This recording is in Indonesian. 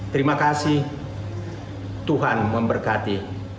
terima kasih tuhan memberkati